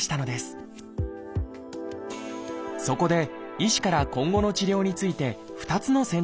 そこで医師から今後の治療について２つの選択肢が示されました。